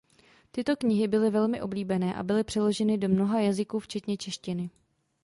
Tyto knihy byly velmi oblíbené a byly přeloženy do mnoha jazyků včetně češtiny.